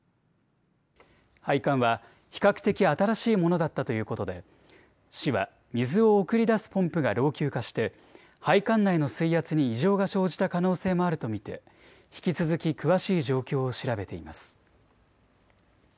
配管は比較的新しいものだったということで市は水を送り出すポンプが老朽化して配管内の水圧に異常が生じた可能性もあると見て引き続き詳しい状況を調べています。